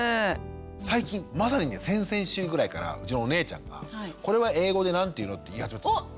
最近まさにね先々週ぐらいからうちのお姉ちゃんが「これは英語で何て言うの？」って言い始めたんですよ。